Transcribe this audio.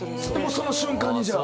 その瞬間にじゃあ。